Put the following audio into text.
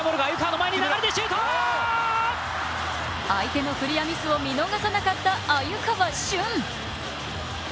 相手のクリアミスを見逃さなかった鮎川峻。